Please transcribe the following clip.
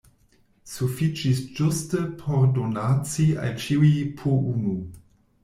Sufiĉis ĝuste por donaci al ĉiuj po unu.